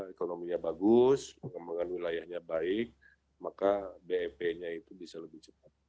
ekonominya bagus pengembangan wilayahnya baik maka bep nya itu bisa lebih cepat